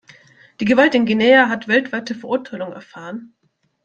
Die Gewalt in Guinea hat weltweite Verurteilung erfahren.